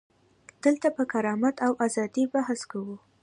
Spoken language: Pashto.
دلته پر کرامت او ازادۍ بحث کوو.